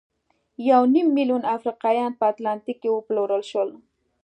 یو نیم میلیون افریقایان په اتلانتیک کې وپلورل شول.